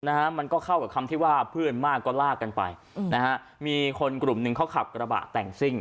นะฮะมันก็เข้ากับคำที่ว่าเพื่อนมากก็ลากกันไปอืมนะฮะมีคนกลุ่มหนึ่งเขาขับกระบะแต่งซิ่ง